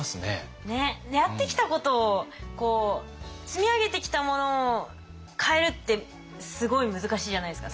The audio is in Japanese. やってきたことを積み上げてきたものを変えるってすごい難しいじゃないですか。